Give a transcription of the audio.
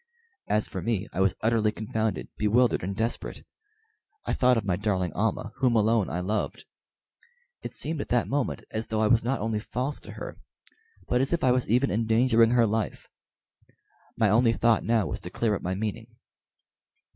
As for me, I was utterly confounded, bewildered, and desperate. I thought of my darling Almah, whom alone I loved. It seemed at that moment as though I was not only false to her, but as if I was even endangering her life. My only thought now was to clear up my meaning.